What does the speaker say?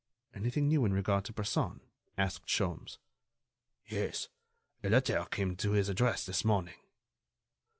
"Anything new in regard to Bresson?" asked Sholmes. "Yes, a letter came to his address this morning."